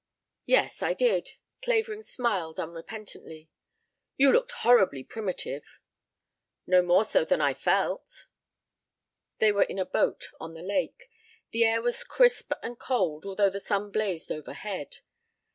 "Yes, I did." Clavering smiled unrepentantly. "You looked horribly primitive." "No more so than I felt." They were in a boat on the lake. The air was crisp and cold although the sun blazed overhead.